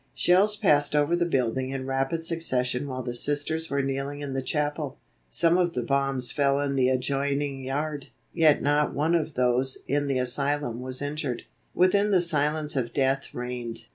Shells passed over the building in rapid succession while the Sisters were kneeling in the chapel. Some of the bombs fell in the adjoining yard, yet not one of those in the asylum was injured. Within the silence of death reigned.